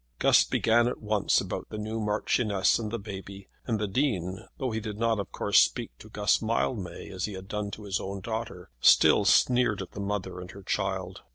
Guss began at once about the new Marchioness and the baby; and the Dean, though he did not of course speak to Guss Mildmay as he had done to his own daughter, still sneered at the mother and her child.